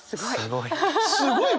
すごい。